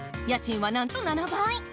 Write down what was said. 家賃はなんと７倍。